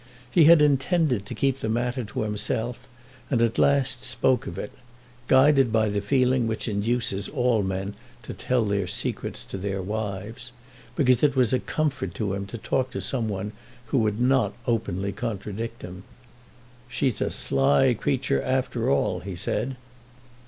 He had intended to keep the matter to himself, and at last spoke of it, guided by the feeling which induces all men to tell their secrets to their wives, because it was a comfort to him to talk to some one who would not openly contradict him. "She's a sly creature after all," he said.